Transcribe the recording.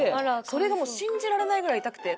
それがもう信じられないぐらい痛くて。